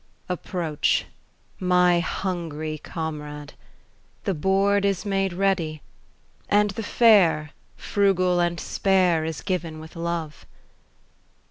Approach, my hungry comrade ; The board is made ready. And the fare, frugal and spare. Is given with love.